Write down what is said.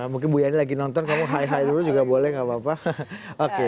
mungkin ibu yani lagi nonton kamu high high dulu juga boleh tidak apa apa